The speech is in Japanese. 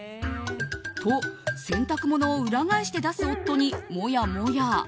と、洗濯物を裏返して出す夫にもやもや。